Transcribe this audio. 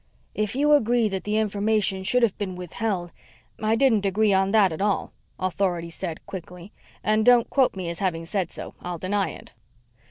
"If you agree that the information should have been withheld " "I didn't agree on that at all," Authority said quickly. "And don't quote me as having said so. I'll deny it."